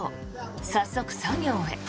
早速、作業へ。